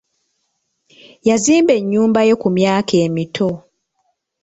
Yazimba ennyumba ye ku myaka emito.